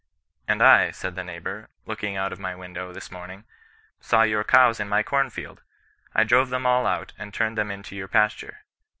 And I, said the neighbour, looking out of my window, this morning, saw your cows in my corn field. I drove them all out, and turned them into your pasture.